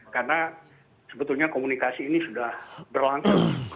karena sebetulnya komunikasi ini sudah berlangsung